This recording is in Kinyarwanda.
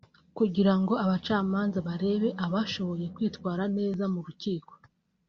kugira ngo abacamanza barebe abashoboye kwitwara neza mu rukiko